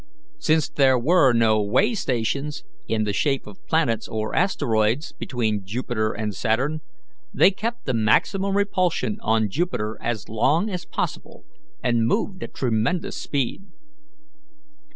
Since there were no way stations, in the shape of planets or asteroids, between Jupiter and Saturn, they kept the maximum repulsion on Jupiter as long as possible, and moved at tremendous speed.